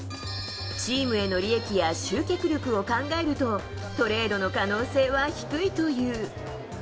チームへの利益や集客力を考えると、トレードの可能性は低いという。